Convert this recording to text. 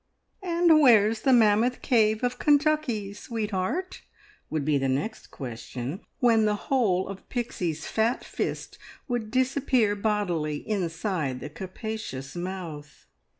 "And where's the Mammoth Cave of Kentucky, sweetheart?" would be the next question, when the whole of Pixie's fat fist would disappear bodily inside the capacious mouth.